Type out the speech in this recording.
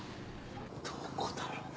どこだろうな。